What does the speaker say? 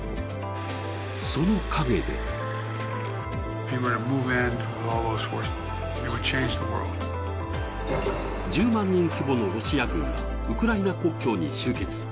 その陰で１０万人規模のロシア軍がウクライナ国境に集結。